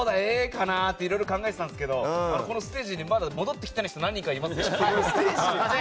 Ａかなといろいろ考えていたんですけどこのステージに戻ってきていない人何人かいますね。